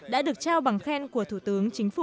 đã được trao bằng khen của thủ tướng chính phủ